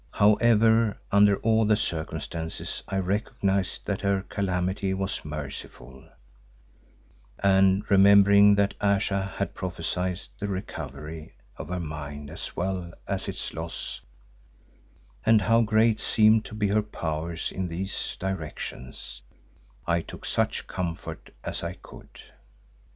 However, under all the circumstances I recognised that her calamity was merciful, and remembering that Ayesha had prophesied the recovery of her mind as well as its loss and how great seemed to be her powers in these directions, I took such comfort as I could.